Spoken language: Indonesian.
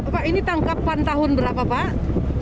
pak ini tangkapan tahun berapa pak